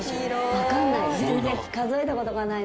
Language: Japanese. わかんない！